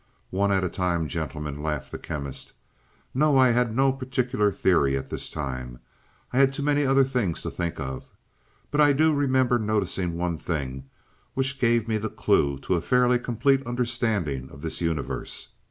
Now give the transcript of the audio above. "One at a time, gentlemen," laughed the Chemist. "No, I had no particular theory at this time I had too many other things to think of. But I do remember noticing one thing which gave me the clew to a fairly complete understanding of this universe.